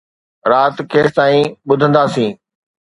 رات ڪيستائين ٻڌنداسين؟